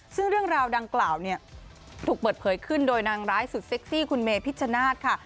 ซึ่งเรื่องราวดังกล่าวเนี่ยถูกเปิดเผยขึ้นโดยนางร้ายสุดเซ็กซี่คุณเมพิชชนาธิ์ค่ะ